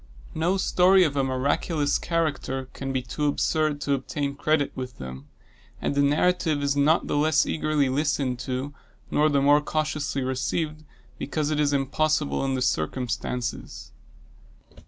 No story of a miraculous character can be too absurd to obtain credit with them; and a narrative is not the less eagerly listened to, nor the more cautiously received, because it is impossible in its circumstances.